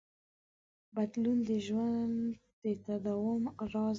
بدلون د ژوند د تداوم راز دی.